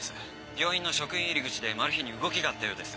病院の職員入り口でマル被に動きがあったようです。